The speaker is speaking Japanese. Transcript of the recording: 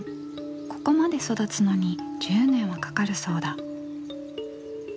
ここまで育つのに１０年はかかるそうだ。